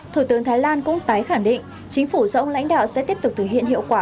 thủ tướng thái lan cũng tái khẳng định chính phủ do ông lãnh đạo sẽ tiếp tục thực hiện hiệu quả